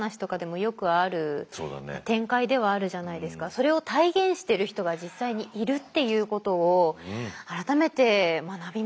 それを体現してる人が実際にいるっていうことを改めて学びましたね。